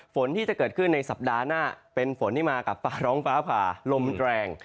ฝนที่จะเกิดขึ้นในสัปดาห์หน้าเป็นฝนที่มากับฟ้าร้องฟ้าผ่าลมแรง